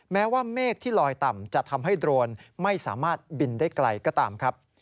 แม้ว่าเมฆที่ลอยต่ำจะทำให้โดรนไม่สามารถบินได้ไกลก็ตามครับ